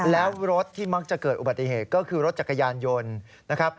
แล้วรถที่มักจะเกิดอุบัติเหตุก็คือรถจักรยานยนต์นะครับ